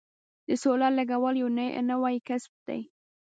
د سولر لګول یو نوی کسب دی